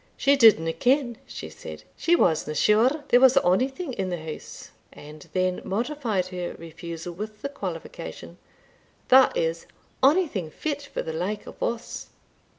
"She didna ken," she said, "she wasna sure there was onything in the house," and then modified her refusal with the qualification "that is, onything fit for the like of us."